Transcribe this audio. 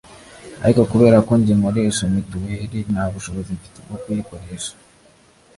ariko kubera ko njye nkoresha Mituweli nta bushobozi mfite bwo kuyikoresha